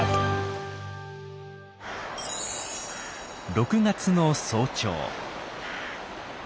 ６月の早朝。